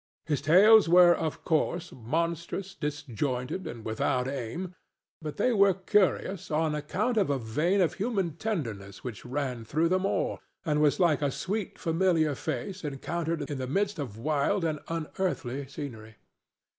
His tales were, of course, monstrous, disjointed and without aim, but they were curious on account of a vein of human tenderness which ran through them all and was like a sweet familiar face encountered in the midst of wild and unearthly scenery.